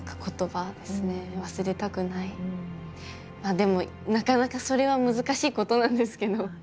でもなかなかそれは難しいことなんですけど。